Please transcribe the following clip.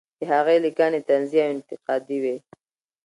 د هغې لیکنې طنزي او انتقادي وې.